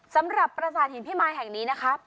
สำหรับปราสาทหินพิมายแห่งนี้นะครับ